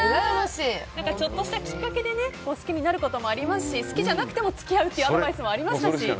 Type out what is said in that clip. ちょっとしたきっかけで好きになることもありますし好きじゃなくても付き合うというアドバイスもありましたし